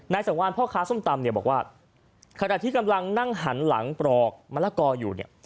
สังวานพ่อค้าส้มตำเนี่ยบอกว่าขณะที่กำลังนั่งหันหลังปลอกมะละกออยู่เนี่ย